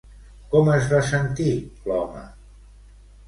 Com es va sentir l'home?